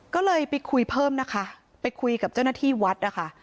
ก็เลยไปคุยเพิ่มนะคะไปคุยกับเจ้าหน้าที่วัดนะคะ